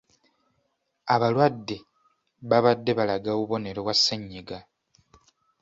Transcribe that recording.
Abalwadde babadde balaga obubonero bwa ssenyiga.